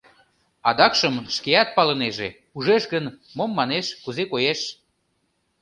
Адакшым шкеат палынеже: ужеш гын, мом манеш, кузе коеш?